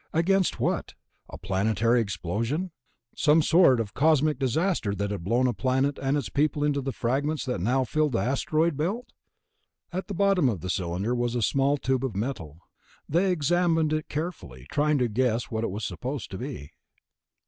_Against what? A planetary explosion? Some sort of cosmic disaster that had blown a planet and its people into the fragments that now filled the Asteroid Belt?_ At the bottom of the cylinder was a small tube of metal. They examined it carefully, trying to guess what it was supposed to be.